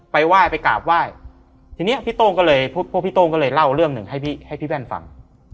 ไปไหว้ไปกราบไหว้ทีนี้พี่โต้งก็เลยพวกพี่โต้งก็เลยเล่าเรื่องหนึ่งให้พี่แว่นฟัง